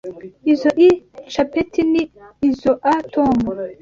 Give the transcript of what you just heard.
Izoi capeti ni izoa Tom.